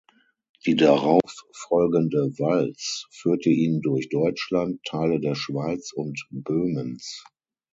Die darauf folgende Walz führte ihn durch Deutschland, Teile der Schweiz und Böhmens.